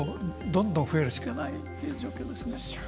どんどん増えるしかないという状況ですね。